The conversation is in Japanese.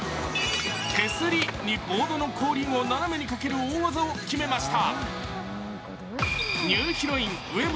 手すりにボードの後輪を斜めにかける大技を決めました。